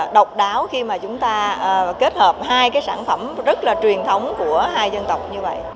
độc đáo khi mà chúng ta kết hợp hai cái sản phẩm rất là truyền thống của hai dân tộc như vậy